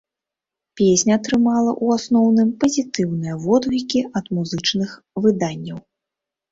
Песня атрымала, у асноўным, пазітыўныя водгукі ад музычных выданняў.